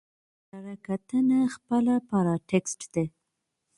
کره کتنه خپله پاراټيکسټ دئ.